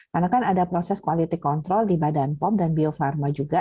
karena kan ada proses quality control di badan pom dan bio farma juga